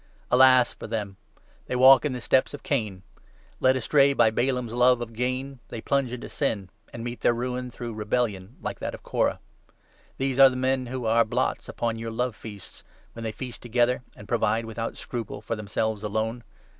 Alas for them ! 1 1 They walk in the steps of Cain ; led astray by Balaam's love of gain, they plunge into sin, and meet their ruin through rebellion like that of Korah. These are the men who are 12 blots upon your ' Love feasts,' when they feast together and provide without scruple for themselves alone.